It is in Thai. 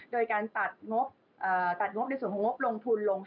โดยการตัดงบในส่วนผงบลงทุนลง๕๐